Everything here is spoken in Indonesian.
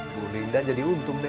bu linda jadi untung deh